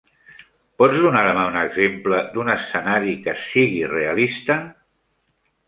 Pots donar-me un exemple d'un escenari que sigui realista?